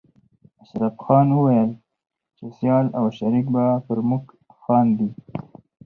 اشرف خان ويل چې سيال او شريک به پر موږ خاندي